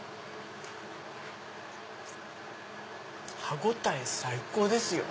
歯応え最高ですよ。